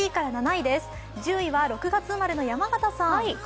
１０位は６月生まれの山形さん。